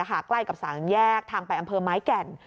มาใกล้กับสารงานแยกทางไปอำเภอไม้แก่น